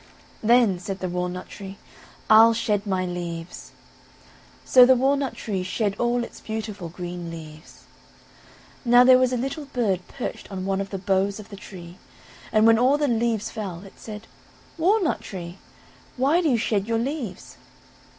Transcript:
"Then," said the walnut tree, "I'll shed my leaves," so the walnut tree shed all its beautiful green leaves. Now there was a little bird perched on one of the boughs of the tree, and when all the leaves fell, it said: "Walnut tree, why do you shed your leaves?"